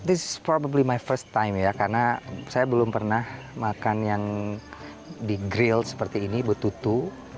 ini mungkin pertama kali saya makan ini karena saya belum pernah makan yang di grill seperti ini betutu